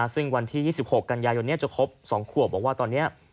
ซึ่งวันที่๒๖กันยายนนี้จะครบ๒ขวบบอกว่าตอนนี้